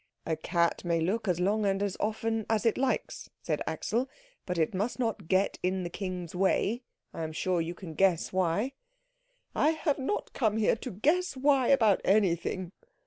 "A cat may look as long and as often as it likes," said Axel, "but it must not get in the king's way. I am sure you can guess why." "I have not come here to guess why about anything."